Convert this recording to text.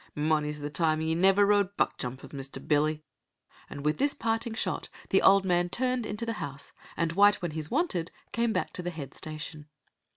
Mony's the time ye never rode buckjumpers, Mr. Billy" and with this parting shot the old man turned into the house, and White when he's wanted came back to the head station.